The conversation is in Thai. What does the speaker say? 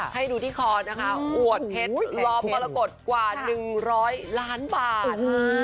ให้ดูที่คอนะครับโหวดเผ็ดรอบมรรกฏกว่า๑๐๐ล้านบาท